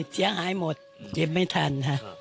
เสียหายหมดเก็บไม่ทัน